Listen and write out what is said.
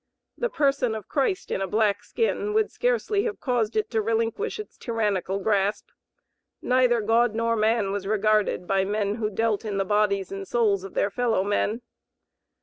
The person of Christ in a black skin would scarcely have caused it to relinquish its tyrannical grasp; neither God nor man was regarded by men who dealt in the bodies and souls of their fellow men.